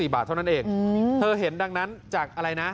บาทเท่านั้นเองเธอเห็นดังนั้นจากอะไรนะ